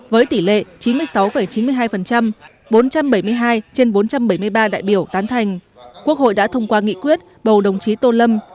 với tỷ lệ chín mươi sáu chín mươi hai bốn trăm bảy mươi hai trên bốn trăm bảy mươi ba đại biểu tán thành quốc hội đã thông qua nghị quyết bầu đồng chí tô lâm